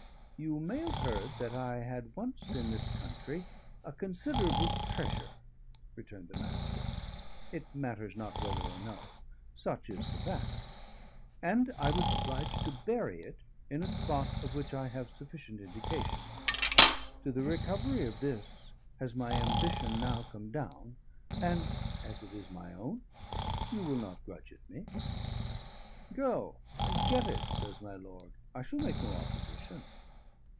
"You may have heard that I had once in this country a considerable treasure," returned the Master; "it matters not whether or no such is the fact; and I was obliged to bury it in a spot of which I have sufficient indications. To the recovery of this has my ambition now come down; and, as it is my own, you will not grudge it me." "Go and get it," says my lord. "I shall make no opposition."